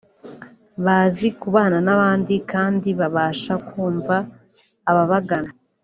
bazi kubana n’abandi kandi babasha kumva ababagana